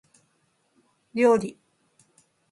料理